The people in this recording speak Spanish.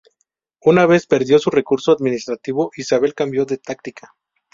Una vez perdido su recurso administrativo, Isabel cambió de táctica.